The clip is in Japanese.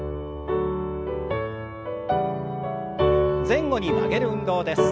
前後に曲げる運動です。